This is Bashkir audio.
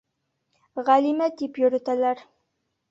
— Ғәлимә тип йөрөтәләр.